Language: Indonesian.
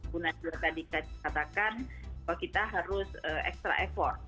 buna juga tadi katakan bahwa kita harus extra effort